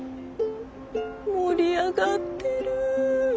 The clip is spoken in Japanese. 盛り上がってる。